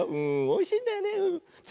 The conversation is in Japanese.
おいしいんだよね。